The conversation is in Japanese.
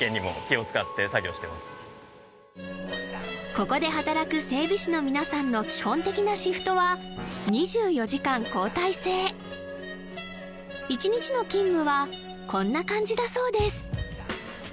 ここで働く整備士の皆さんの基本的なシフトは２４時間交代制１日の勤務はこんな感じだそうです